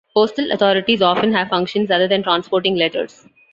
Postal authorities often have functions other than transporting letters.